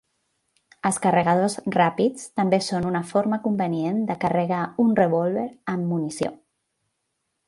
Els carregadors ràpids també són una forma convenient de carregar un revòlver amb munició.